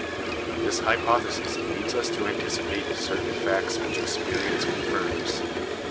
This hypothesis leads us to anticipate certain facts which experience confirms.